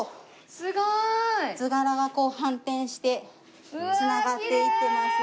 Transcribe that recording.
すごい！図柄が反転して繋がっていってます。